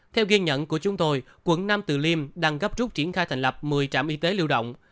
theo ghi nhận của chúng tôi quận nam từ liêm đang gấp rút triển khai thành lập một mươi trạm y tế lưu động